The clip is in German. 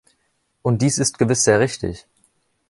Und dies ist gewiss sehr richtig.